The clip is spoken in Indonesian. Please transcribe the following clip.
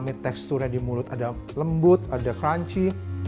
ini teksturnya di mulut ada lembut ada crunchy